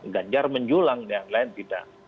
ganjar menjulang yang lain tidak